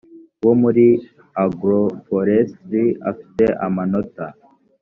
wa muri agro forestry afite amanota